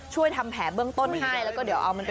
ทำแผลเบื้องต้นให้แล้วก็เดี๋ยวเอามันไป